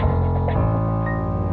aku sudah berhenti